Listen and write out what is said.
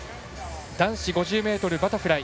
男子５０ｍバタフライ。